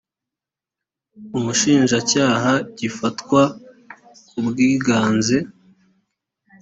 umushinjacyaha gifatwa ku bwiganze